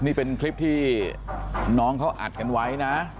นี่เป็นคลิปที่น้องเขาอัดกันไว้นะ